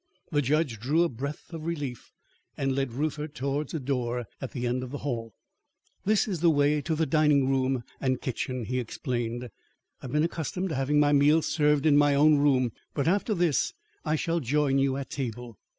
The judge drew a breath of relief and led Reuther towards a door at the end of the hall. "This is the way to the dining room and kitchen," he explained. "I have been accustomed to having my meals served in my own room, but after this I shall join you at table.